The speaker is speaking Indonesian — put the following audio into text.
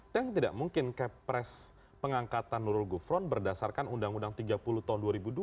dan tidak mungkin capres pengangkatan nurul gufron berdasarkan undang undang tiga puluh tahun dua ribu dua